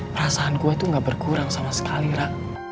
perasaan gue tuh gak berkurang sama sekali ra